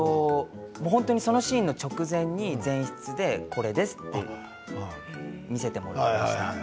そのシーンの直前に前室で、これですって見せてもらいました。